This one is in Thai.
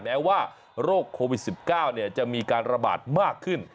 แม้ว่าโรคโควิด๑๙จะมีการระบาดมากขึ้น